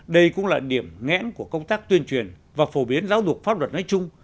đây cũng là điểm ngẽn của công tác tuyên truyền và phổ biến giáo dục pháp luật nói chung